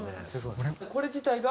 これ自体が？